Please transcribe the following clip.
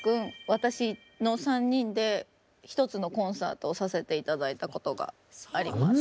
私の３人で一つのコンサートをさせて頂いたことがあります。